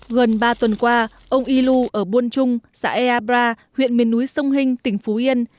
gần ba tuần qua ông y lu ở buôn trung xã eabra huyện miền núi sông hinh tỉnh phú yên